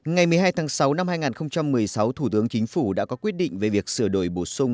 ngày một mươi hai tháng sáu năm hai nghìn một mươi sáu thủ tướng chính phủ đã có quyết định về việc sửa đổi bổ sung